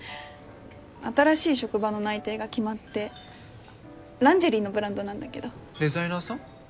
新しい職場の内定が決まってランジェリーのブランドなんだけどデザイナーさん？